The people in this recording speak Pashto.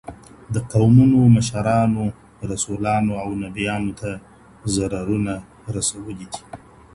د قومونو مشرانو رسولانو او نبيانو ته ضررونه رسولي دي.